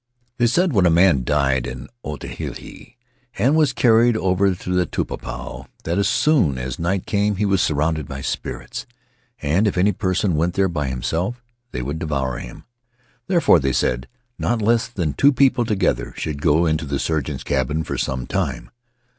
They said when a man died in Otaheite and was carried to the Tupapow that as soon as night came he was surrounded by spirits, and if any person went there by himself they would devour him: therefore they said that not less than two people together should go into the surgeon's cabin for some time."